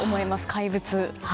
「怪物」。